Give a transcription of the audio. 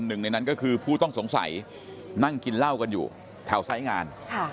หนึ่งในนั้นก็คือผู้ต้องสงสัยนั่งกินเหล้ากันอยู่แถวไซส์งาน